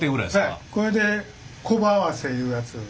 ええこれで小刃合わせいうやつ。